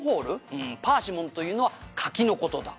「うんパーシモンというのは柿の事だ」